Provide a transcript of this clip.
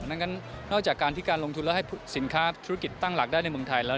ดังนั้นนอกจากการที่การลงทุนแล้วให้สินค้าธุรกิจตั้งหลักได้ในเมืองไทยแล้ว